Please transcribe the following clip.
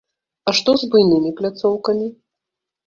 А што з буйнымі пляцоўкамі?